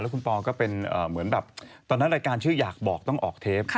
คุณปอก็เป็นเหมือนแบบตอนนั้นรายการชื่ออยากบอกต้องออกเทป